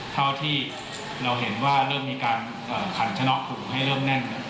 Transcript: เท่าที่เราเห็นว่าเริ่มมีการขันชะน็อกผูกให้เริ่มแน่น